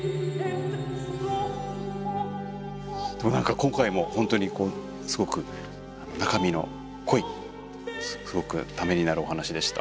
今回もほんとにすごく中身の濃いすごくためになるお話でした。